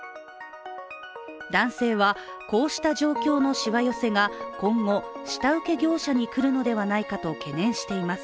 男性は、こうした状況のしわ寄せが今後、下請け業者に来るのではないかと懸念しています。